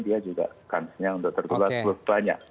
dia juga kansnya sudah terlalu banyak